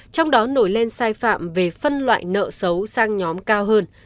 trong đó nổi lên sai phạm về phân loại nợ xấu sang nhóm cao hơn